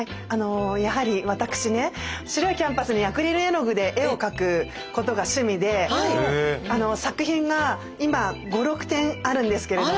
やはり私ね白いキャンバスにアクリル絵の具で絵を描くことが趣味で作品が今５６点あるんですけれども。